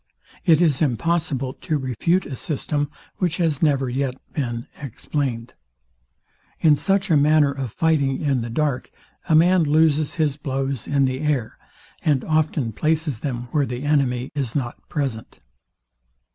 It is impossible to refute a system, which has never yet been explained. In such a manner of fighting in the dark, a man loses his blows in the air, and often places them where the enemy is not present.